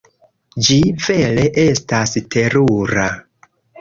Ĝi vere estas terura.